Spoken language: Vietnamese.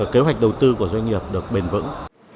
kế hoạch đầu tư của doanh nghiệp được bền vững